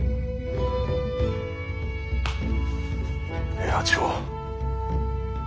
平八郎。